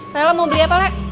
saya mau beli apa lek